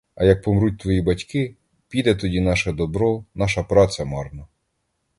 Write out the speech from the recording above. А як помруть твої батьки, піде тоді наше добро, наша праця марно!